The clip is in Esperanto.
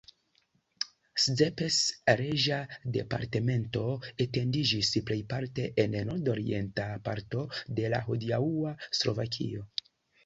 Szepes reĝa departemento etendiĝis plejparte en nordorienta parto de hodiaŭa Slovakio.